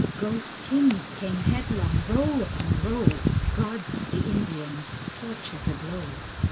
Ghost kings came headlong, row upon row, Gods of the Indians, torches aglow.